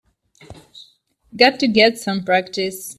Got to get some practice.